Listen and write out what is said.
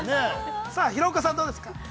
さあ、廣岡さんどうですか。